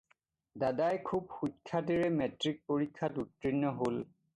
দাদাই খুব সুখ্যাতিৰে মেট্ৰিক পৰীক্ষাত উৰ্ত্তীণ হ'ল।